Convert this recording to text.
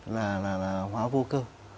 là hóa vô cơ